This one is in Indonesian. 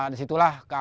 disitulah ke akrabat